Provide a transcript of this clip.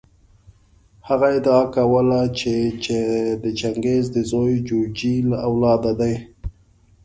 هغه ادعا کوله چې د چنګیز د زوی جوجي له اولاده دی.